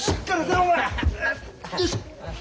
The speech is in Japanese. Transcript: よいしょ。